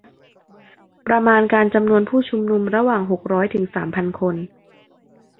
ประมาณการจำนวนผู้ชุมนุมระหว่างหกร้อยถึงสามพันคน